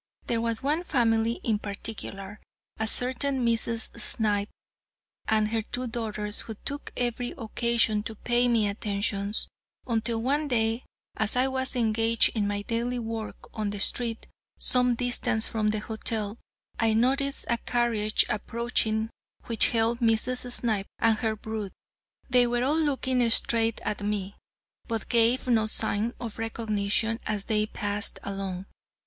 There was one family in particular, a certain Mrs. Snipe and her two daughters, who took every occasion to pay me attentions, until one day as I was engaged in my daily work on the street, some distance from the hotel, I noticed a carriage approaching which held Mrs. Snipe and her brood. They were all looking straight at me, but gave no sign of recognition as they passed along.